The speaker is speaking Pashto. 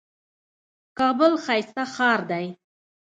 کابل ښايسته ښار دئ.